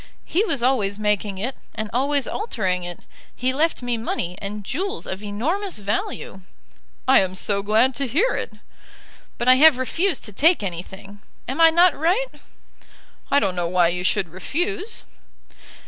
"He was always making it, and always altering it. He left me money, and jewels of enormous value." "I am so glad to hear it." "But I have refused to take anything. Am I not right?" "I don't know why you should refuse."